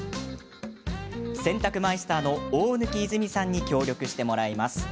洗濯マイスターの大貫和泉さんに協力してもらいます。